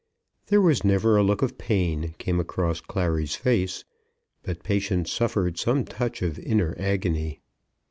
There was never a look of pain came across Clary's face, but Patience suffered some touch of inner agony.